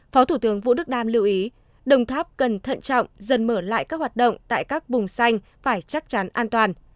phó thủ tướng vũ đức đam lưu ý đồng tháp cần thận trọng dần mở lại các hoạt động tại các vùng xanh phải chắc chắn an toàn